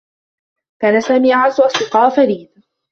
كان سامي أعزّ أصدقاء فريد.